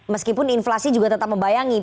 meskipun inflasi juga tetap membayangi